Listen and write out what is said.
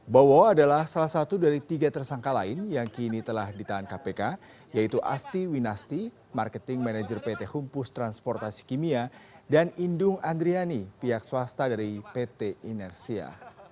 bowo adalah salah satu dari tiga tersangka lain yang kini telah ditahan kpk yaitu asti winasti marketing manager pt humpus transportasi kimia dan indung andriani pihak swasta dari pt inersia